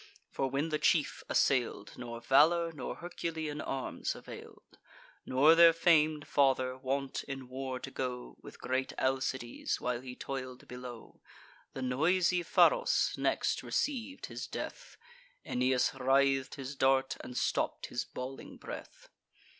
for, when the chief assail'd, Nor valour nor Herculean arms avail'd, Nor their fam'd father, wont in war to go With great Alcides, while he toil'd below. The noisy Pharos next receiv'd his death: Aeneas writh'd his dart, and stopp'd his bawling breath.